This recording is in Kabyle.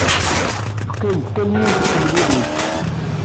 Teqqim-d kan yiwet n temlellit.